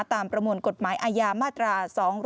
ประมวลกฎหมายอาญามาตรา๒๗